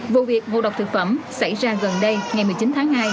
vụ việc ngộ độc thực phẩm xảy ra gần đây ngày một mươi chín tháng hai